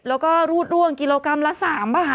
แล้วก็รูดร่วงกิโลกรัมละ๓บาท